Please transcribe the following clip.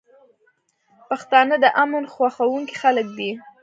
پښتانه د امن خوښونکي خلک دي.